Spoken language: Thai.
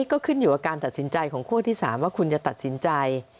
ก็ขึ้นอยู่กับการตัดสินใจของคั่วที่๓ว่าคุณจะตัดสินใจ